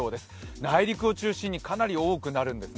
内陸を中心にかなり多くなるんですね。